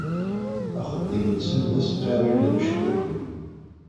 Axeddim-nsen d asqirri n yimeckuken.